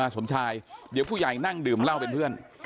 สมชายเดี๋ยวผู้ใหญ่นั่งดื่มเหล้าเป็นเพื่อน